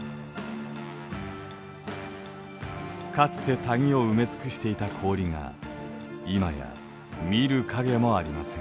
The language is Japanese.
かつて谷を埋め尽くしていた氷が今や見る影もありません。